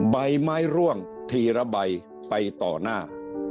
ใบไม้ร่วงทีละใบไปต่อหน้า